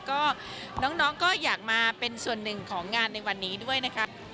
ก็น้องก็อยากมาเป็นส่วนหนึ่งของงานในวันนี้ด้วยนะคะ